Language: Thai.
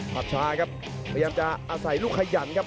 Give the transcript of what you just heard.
ภาพช้าครับพยายามจะอาศัยลูกขยันครับ